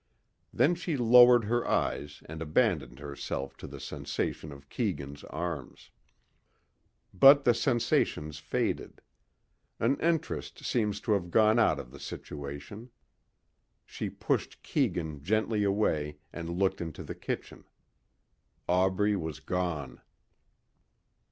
Then she lowered her eyes and abandoned herself to the sensation of Keegan's arms. But the sensations faded. An interest seemed to have gone out of the situation. She pushed Keegan gently away and looked into the kitchen. Aubrey was gone.